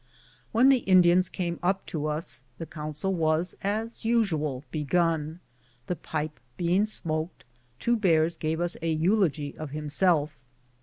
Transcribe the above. When the Indians came up to us, the council was, as usual, begun. The pipe being smoked, Two Bears gave us a eulogy of himself.